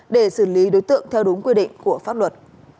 để xử lý đối tượng theo đúng quy định của pháp luật